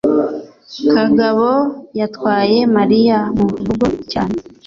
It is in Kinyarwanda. kagabo yatwaye mariya mu rugo cyane